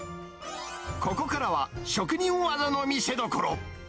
ここからは職人技の見せどころ。